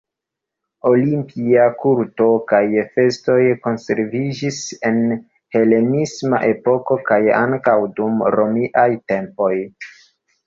Olimpia kulto kaj festoj konserviĝis en helenisma epoko kaj ankaŭ dum romiaj tempoj.